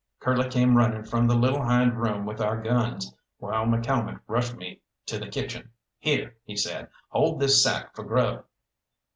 Curly came running from the little hind room with our guns, while McCalmont rushed me to the kitchen. "Here," he said, "hold this sack for grub!"